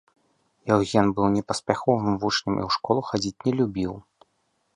Яўген быў непаспяховым вучнем і ў школу хадзіць не любіў.